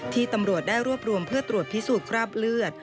ตำรวจได้รวบรวมเพื่อตรวจพิสูจน์คราบเลือด